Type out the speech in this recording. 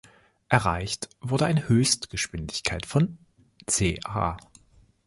Erreicht wurde eine Höchstgeschwindigkeit von ca.